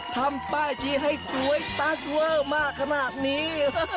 ทำป้ายชี้ให้สวยตัสเวอร์มากขนาดนี้